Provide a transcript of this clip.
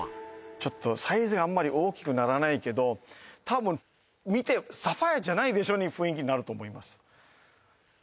ちょっとサイズがあんまり大きくならないけど多分見て「サファイアじゃないでしょ」に雰囲気なると思います